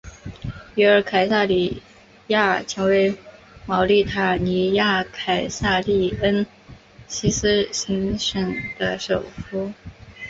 约尔凯撒里亚成为茅利塔尼亚凯撒利恩西斯行省的首府。